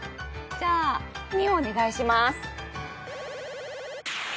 じゃあ２をお願いします。